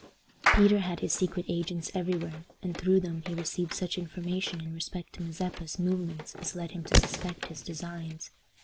Peter had his secret agents every where, and through them he received such information in respect to Mazeppa's movements as led him to suspect his designs.